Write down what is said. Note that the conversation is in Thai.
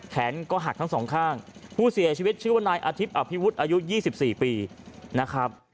แขนก็หักทั้งสองข้างผู้เสียชีวิตชื่อว่านายอาทิตย์อภิวุฒิอายุ๒๔ปีนะครับ